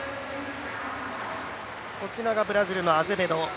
こちらがブラジルのアゼベド。